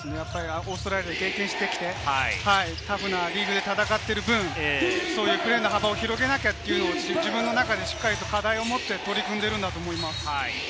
オーストラリアで経験してきて、タフなリーグで戦っている分、プレーの幅を広げなきゃというのを自分の中で課題を持って取り組んでいるんだと思います。